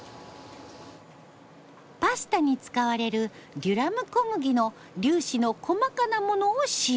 パスタに使われるデュラム小麦の粒子の細かなものを使用。